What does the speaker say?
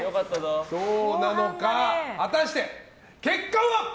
どうなのか、果たして結果は。